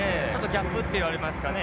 ギャップといわれますかね